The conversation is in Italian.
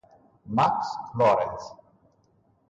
Max Lorenz